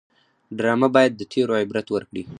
ډرامه باید د تېرو عبرت ورکړي